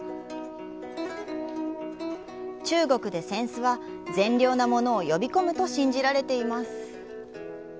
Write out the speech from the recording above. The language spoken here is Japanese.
中国で扇子は善良なものを呼び込むと信じられています。